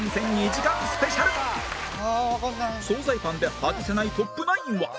総菜パンで外せないトップ９は？